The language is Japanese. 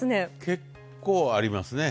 結構ありますね。